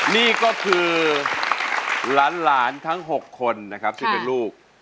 นี่ก็คือหลานทั้ง๖คนนะครับซึ่งเป็นลูก